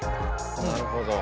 なるほど。